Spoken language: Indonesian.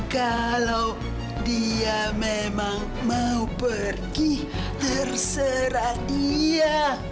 kalau dia memang mau pergi terserah dia